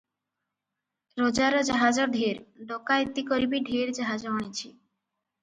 ରଜାର ଜାହାଜ ଢେର; ଡକାଏତି କରି ବି ଢେର ଜାହାଜ ଆଣିଛି ।